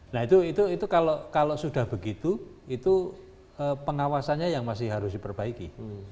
nah itu kalau sudah begitu itu pengawasannya yang masih harus diperbaiki